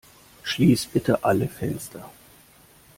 Schließ bitte alle Fenster!